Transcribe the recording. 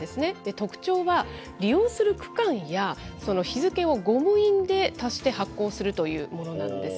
特徴は、利用する区間や日付をゴム印で足して発行するというものなんです